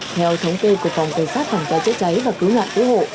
theo thống kê cục phòng cảnh sát thành pháp cháy cháy và cứu ngạn cứu hộ